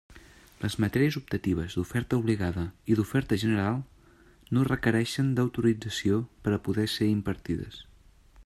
Les matèries optatives d'oferta obligada i d'oferta general no requerixen autorització per a poder ser impartides.